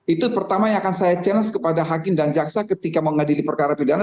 itu pertama yang akan saya challenge kepada hakim dan jaksa ketika mengadili perkara pidana